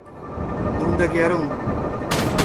どんだけやるん